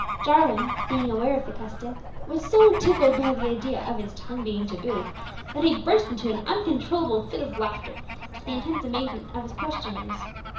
Jarwin, being aware of the custom, was so tickled by the idea of his tongue being tabooed, that he burst into an uncontrollable fit of laughter, to the intense amazement of his questioners.